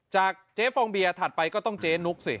จากเจ๊ฟองเบียถัดไปก็ต้องเจ๊นุ๊กสิ